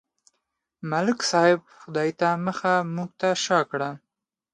ملک صاحب خدای ته مخ، موږ ته شا کړه.